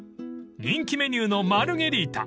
［人気メニューのマルゲリータ］